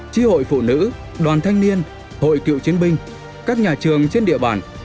tri hội phụ nữ đoàn thanh niên hội cựu chiến binh các nhà trường trên địa bàn